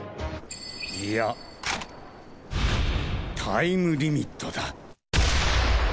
いやタイムリミットだ。